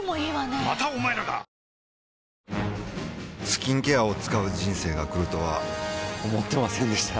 スキンケアを使う人生が来るとは思ってませんでした